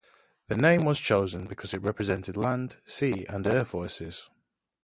The name was chosen because it represented land, sea and air forces.